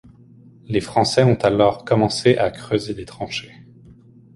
Les Français ont alors commencé à creuser des tranchées.